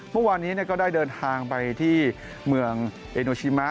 เมื่อวานนี้ก็ได้เดินทางไปที่เมืองเอโนชิมะ